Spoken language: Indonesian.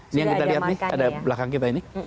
ini yang kita lihat nih ada belakang kita ini